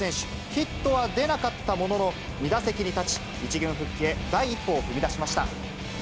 ヒットは出なかったものの、２打席に立ち、１軍復帰へ、第一歩を踏み出しました。